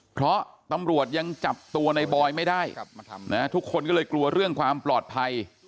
เพราะตำรวจยังจับตัวในบอยไม่ได้ทุกคนก็เลยกลัวเรื่องความปลอดภัย